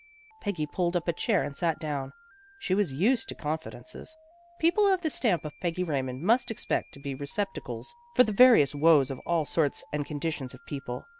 Peggy pulled up a chair and sat down. She was used to confidences. People of the stamp of Peggy Raymond must expect to be receptacles for the various woes of all sorts and conditions of people.